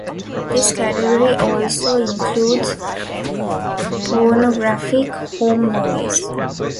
This category also includes pornographic home movies.